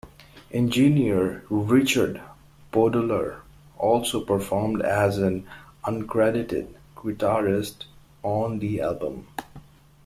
Engineer Richard Podolor also performed as an uncredited guitarist on the album.